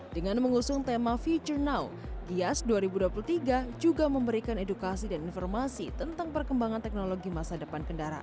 dengan mengusung tema future now gias dua ribu dua puluh tiga juga memberikan edukasi dan informasi tentang perkembangan teknologi masa depan kendaraan